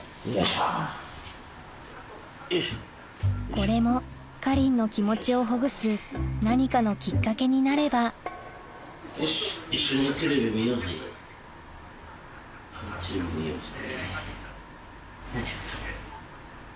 これもかりんの気持ちをほぐす何かのきっかけになればよいしょ。